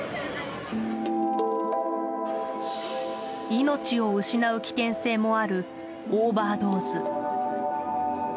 命を失う危険性もあるオーバードーズ。